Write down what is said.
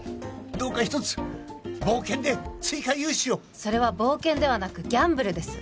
どうか一つ冒険で追加融資をそれは冒険ではなくギャンブルです